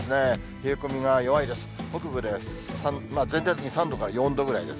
冷え込みが弱いです。